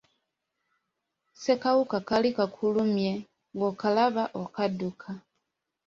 Ssekawuka kaali kakulumye bw'okalaba okadduka.